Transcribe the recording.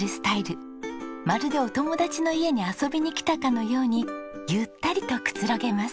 まるでお友達の家に遊びに来たかのようにゆったりとくつろげます。